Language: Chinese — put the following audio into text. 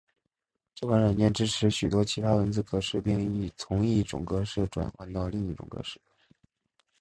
这软件支持许多其他字体格式并从一种格式转换到另一种格式。